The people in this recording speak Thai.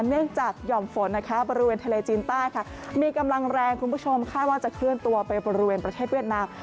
เนื่องจากหย่อมฝนนะคะบริเวณทะเลจีนใต้ค่ะมีกำลังแรงคุณผู้ชมคาดว่าจะเคลื่อนตัวไปบริเวณประเทศเวียดนาม